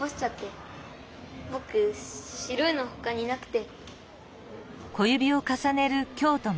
ぼく白いのほかになくて。